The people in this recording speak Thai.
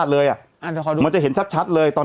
แต่หนูจะเอากับน้องเขามาแต่ว่า